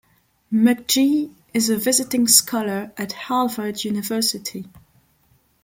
McGee is a visiting scholar at Harvard University.